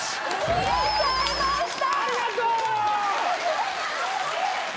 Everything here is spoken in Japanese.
消えちゃいました